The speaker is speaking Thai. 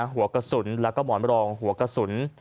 หัวกระสุนแล้วก็หมอนรองหัวกระสุน